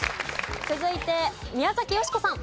続いて宮崎美子さん。